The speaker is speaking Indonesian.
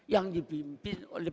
yang dipimpin oleh